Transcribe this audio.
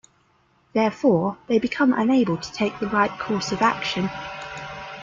Therefore, they become unable to take the right course of action.